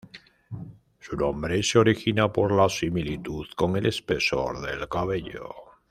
Su nombre se origina por la similitud con el espesor del cabello.